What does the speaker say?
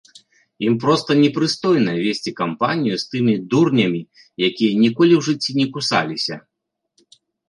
Ім проста непрыстойна весці кампанію з тымі дурнямі, якія ніколі ў жыцці не кусаліся.